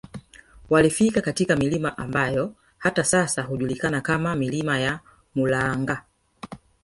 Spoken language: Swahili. walifika katika milima ambayo hata sasa hujulikana kama milima ya Mulaanga